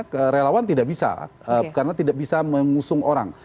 kerelawan tidak bisa karena tidak bisa mengusung orang